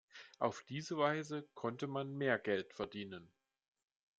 Auf diese Weise konnte man mehr Geld verdienen.